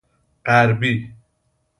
غربی